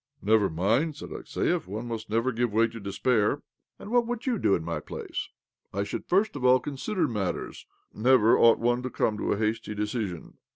" Never mind," said Alexiev. " One must never give way to despair." " And what would you do in my place? "" I should first of all consider matters. Never ought one to come to a hasty decision."